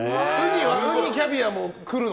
ウニ、キャビアもくるの？